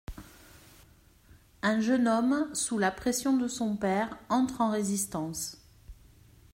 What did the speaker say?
Un jeune homme, sous la pression de son père, entre en résistance.